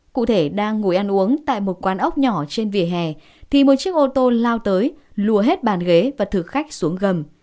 cụ thể đang ngồi ăn uống tại một quán ốc nhỏ trên vỉa hè thì một chiếc ô tô lao tới lùa hết bàn ghế và thực khách xuống gầm